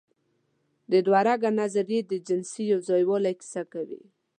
د دوهرګه نظریه د جنسي یوځای والي کیسه کوي.